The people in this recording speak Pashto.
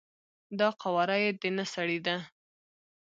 دا قواره یی د نه سړی ده،